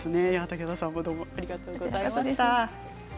武田さんもありがとうございました。